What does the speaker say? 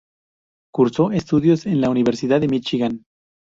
Cursó estudios en la Universidad de Míchigan.